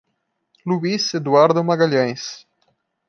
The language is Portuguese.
Luís Eduardo Magalhães